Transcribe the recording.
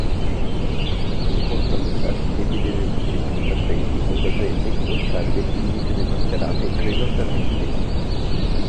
Si incontrano diversi tipi di nemici: serpenti, coccodrilli, uccelli, indigeni mascherati, rinoceronti.